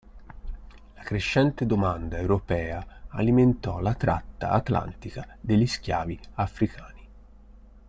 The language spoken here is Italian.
La crescente domanda europea alimentò la tratta atlantica degli schiavi africani.